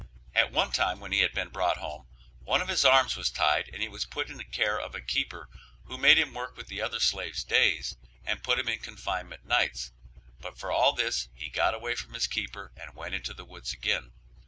At one time when he had been brought home, one of his arms was tied and he was put in care of a keeper who made him work with the other slaves, days, and put him in confinement nights, but for all this he got away from his keeper and went into the woods again.